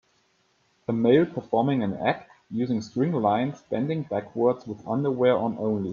A male performing an act using string lines bending backwards with underwear on only.